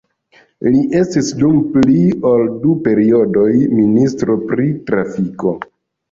Li estis dum pli ol du periodoj ministro pri trafiko.